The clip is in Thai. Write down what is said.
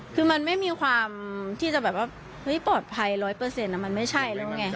คือมันไม่มีความที่จะแบบว่าเฮ้ยปลอดภัย๑๐๐มันไม่ใช่แล้วไง